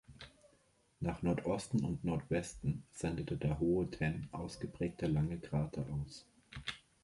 Nach Nordosten und Nordwesten sendet der Hohe Tenn ausgeprägte lange Grate aus.